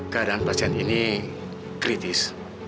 keadaan pasien ini kritis